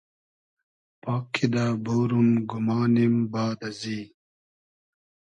پاک کیدہ بۉروم گومانیم باد ازی